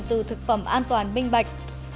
từ thực phẩm an toàn minh bạch